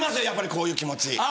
やっぱりこういう気持ち。